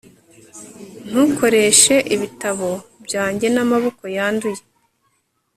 ntukoreshe ibitabo byanjye n'amaboko yanduye